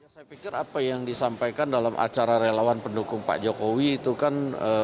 saya pikir apa yang disampaikan dalam acara relawan pendukung pak jokowi itu kan